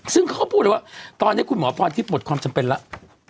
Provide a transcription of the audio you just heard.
ซึ่งเขาก็พูดเลยว่าตอนนี้คุณหมอพรทิพย์หมดความจำเป็นแล้ว